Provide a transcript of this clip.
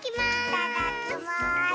いただきます！